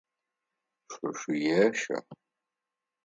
Шъо шъуещэ.